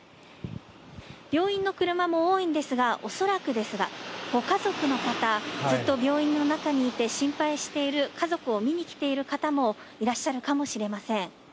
病院の車も多いんですが恐らくですがご家族の方ずっと病院の中にいて心配している家族を見に来ている方もいらっしゃるかもしれません。